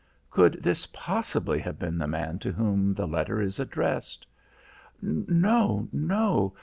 "Could this possibly have been the man to whom the letter is addressed?" "No, no.